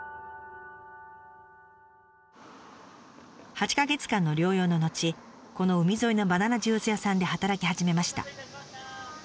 ８か月間の療養の後この海沿いのバナナジュース屋さんで働き始めました。